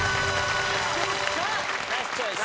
ナイスチョイス。